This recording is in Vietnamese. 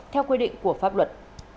theo quy định của pháp luật